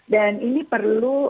dan ini perlu